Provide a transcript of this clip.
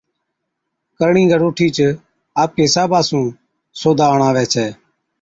ڪرڻِيگر اُٺِيچ آپڪي حصابا سُون سودا اڻاوَي ڇَي